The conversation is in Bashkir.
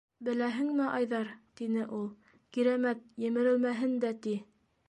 - Беләһеңме, Айҙар, - тине ул, - Кирәмәт емерелмәһен дә, ти.